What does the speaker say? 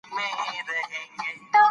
پښتو ژبه باید د نړۍ په کچه وپیژندل شي.